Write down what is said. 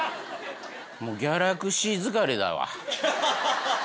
もうギャラクシー疲れだわ。